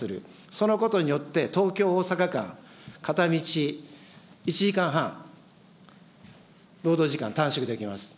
そのことによって、東京・大阪間、片道１時間半、労働時間短縮できます。